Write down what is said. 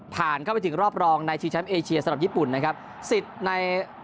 เข้าไปถึงรอบรองในชิงแชมป์เอเชียสำหรับญี่ปุ่นนะครับสิทธิ์ใน